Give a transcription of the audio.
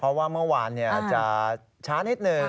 เพราะว่าเมื่อวานจะช้านิดหนึ่ง